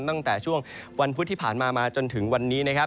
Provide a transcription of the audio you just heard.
ตั้งแต่ช่วงวันพุธที่ผ่านมามาจนถึงวันนี้นะครับ